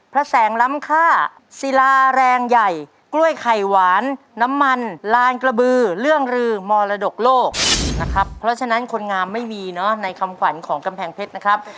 เพราะฉะนั้นคนงามไม่มีเนอะในคำขวัญของกำแพงเพชรนะครับ